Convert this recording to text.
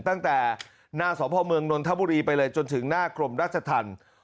ตั้งแต่หน้าสพเมืองนนทบุรีไปเลยจนถึงหน้ากรมราชธรรม